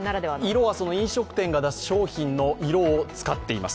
色は飲食店が出す商品の色を使っています。